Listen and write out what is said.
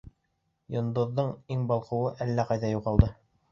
Йондоҙҙоң иң балҡыуы ла әллә ҡайҙа юғалды.